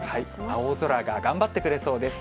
青空が頑張ってくれそうです。